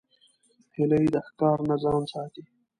هیلۍ د ښکار نه ځان ساتي